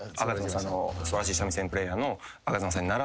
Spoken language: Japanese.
素晴らしい三味線プレーヤーの。